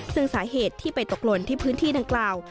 ซึ่งสาเหตุที่ไปตกหล่นที่พื้นที่ดังกล่าว